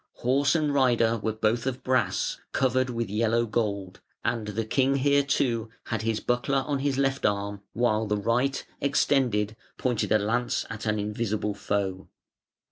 Horse and rider were both of brass, "covered with yellow gold", and the king here too had his buckler on his left arm, while the right, extended, pointed a lance at an invisible foe.